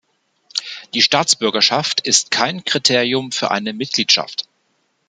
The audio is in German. Die Staatsbürgerschaft ist kein Kriterium für eine Mitgliedschaft.